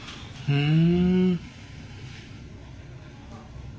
うん。